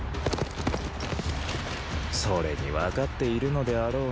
それに分かっているのであろうな。